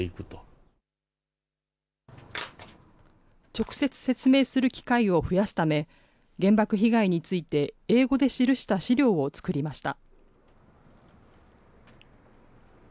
直接説明する機会を増やすため、原爆被害について英語で記した資料を作りました。